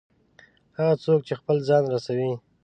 هغه څوک چې خپل ځان رسوي.